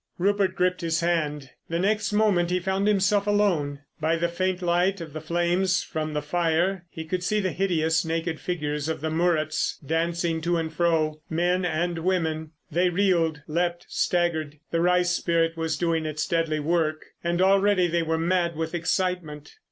Rupert gripped his hand. The next moment he found himself alone. By the faint light of the flames from the fire he could see the hideous, naked figures of the Muruts dancing to and fro, men and women. They reeled, leapt, staggered. The rice spirit was doing its deadly work, and already they were mad with excitement.